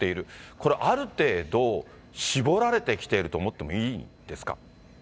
これ、ある程度、絞られてきたと思ってもいいですか？